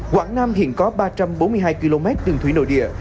quảng nam hiện có ba trăm bốn mươi hai km đường thủy nội địa